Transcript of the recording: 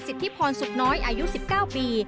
สิทธิพรสุขน้อยอายุ๑๙ปี